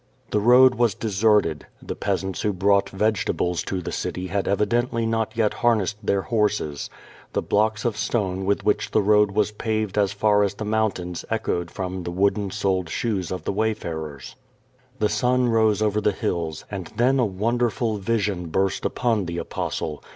The road was deserted. The peasants who brought vege tables to the city had evidently not yet harnessed their horses. The blocks of stone with which the road was paved as far as the mountains echoed from the wooden soled shoes of the wayfarers. 0170 VADtS. 4^1 The sun rose over the liills, and tlien a wonderful vision burst upon tlie Apostle.